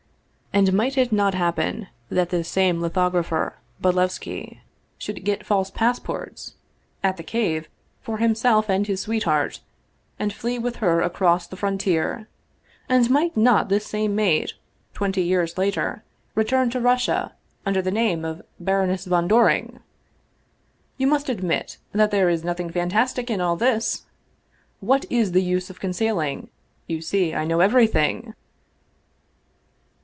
And might it not happen that this same lithographer Bod levski should get false passports at the Cave, for himself and his sweetheart, and flee with her across the fron tier, and might not this same maid, twenty years later, return to Russia under the name of Baroness von Doring? You must admit that there is nothing fantastic in all this ! What is the use of concealing? You see I know every thing!